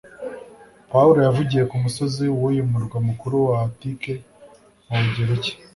Pawulo yavugiye k’umusozi w'uyu murwa mukuru wa Attica, mu Bugereki